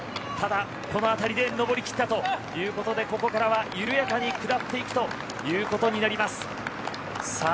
ただ、この辺りで上り切ったということでここからは緩やかに下っていくということになります。